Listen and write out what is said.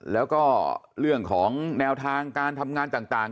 แล้วก็เรื่องของแนวทางการทำงานต่าง